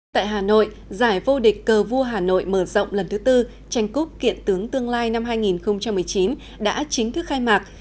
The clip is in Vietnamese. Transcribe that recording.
tại hà nội giải vô địch cờ vua hà nội mở rộng lần thứ tư tranh cúp kiện tướng tương lai năm hai nghìn một mươi chín đã chính thức khai mạc